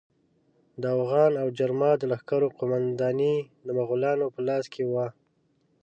د اوغان او جرما د لښکرو قومانداني د مغولانو په لاس کې وه.